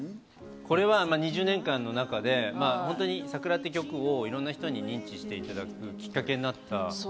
これは２０年間の中で本当に『さくら』という曲をいろんな人に認知していただくきっかけになった。